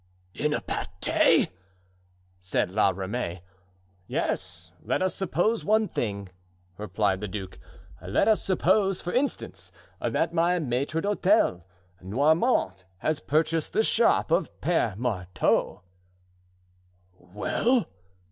"In a pate?" said La Ramee. "Yes. Let us suppose one thing," replied the duke "let us suppose, for instance, that my maitre d'hotel, Noirmont, has purchased the shop of Pere Marteau——" "Well?"